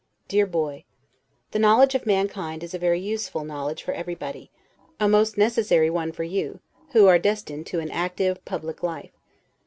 DEAR BOY: The knowledge of mankind is a very use ful knowledge for everybody; a most necessary one for you, who are destined to an active, public life.